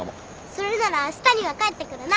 それならあしたには帰ってくるな。